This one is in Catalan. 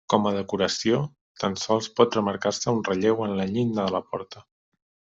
Com a decoració tan sols pot remarcar-se un relleu en la llinda de la porta.